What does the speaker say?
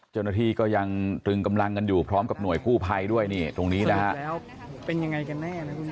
เจ้าหน้าที่ก็ยังตึงกำลังกันอยู่พร้อมกับหน่วยคู่ภัยด้วยนี่ตรงนี้นะฮะ